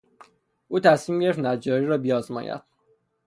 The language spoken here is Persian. او تصمیم گرفت نجاری را بیازماید.